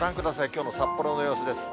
きょうの札幌の様子です。